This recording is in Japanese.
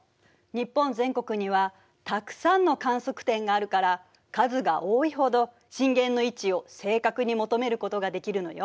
日本全国にはたくさんの観測点があるから数が多いほど震源の位置を正確に求めることができるのよ。